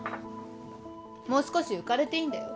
もう少し浮かれていいんだよ？